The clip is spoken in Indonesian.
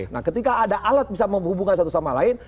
nah ketika ada alat bisa menghubungkan satu sama lain